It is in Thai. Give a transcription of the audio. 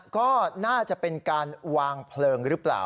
ก็น่าจะเป็นการวางเพลิงหรือเปล่า